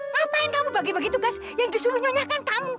ngapain kamu bagi bagi tugas yang disuruh nyonyahkan kamu